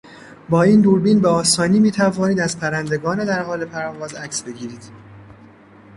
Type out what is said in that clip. با این دوربین به آسانی میتوانید از پرندگان در حال پرواز عکس بگیرید.